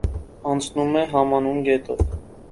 Անցնում է համանուն գետով։